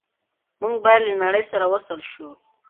موږ باید له نړۍ سره وصل شو.